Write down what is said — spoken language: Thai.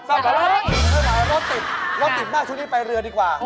สับปะเรือเราก็ติดมากช่วงนี้ไปเรือดีกว่า